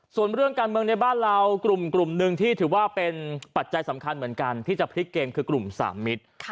ส่วนเรื่องการเมืองในบ้านเรากลุ่มหนึ่งที่ถือว่าเป็นปัจจัยสำคัญเหมือนกันที่จะพลิกเกมคือกลุ่ม๓มิตร